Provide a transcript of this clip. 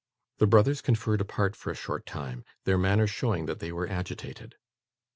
The brothers conferred apart for a short time: their manner showing that they were agitated.